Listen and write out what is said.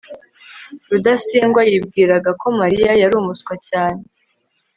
rudasingwa yibwiraga ko mariya yari umuswa cyane